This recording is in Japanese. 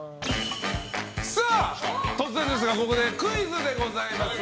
突然ですがここでクイズでございます。